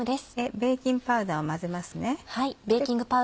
ベーキングパウダーを混ぜます。